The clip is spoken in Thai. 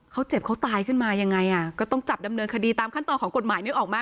เขาเจ็บเขาตายขึ้นมายังไงอ่ะก็ต้องจับดำเนินคดีตามขั้นตอนของกฎหมายนึกออกไหม